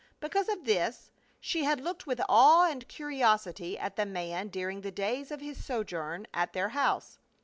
Because of this she had looked with awe and curiosity at the man during the days of his sojourn at their house.